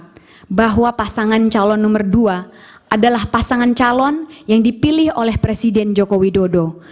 sepakat bahwa pasangan calon nomor dua adalah pasangan calon yang dipilih oleh presiden joko widodo